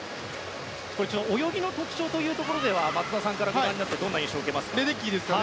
泳ぎの特徴というところでは松田さんからご覧になってどんな印象を受けますか。